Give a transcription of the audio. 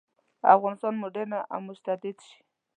افغانستان مډرن او متجدد شي.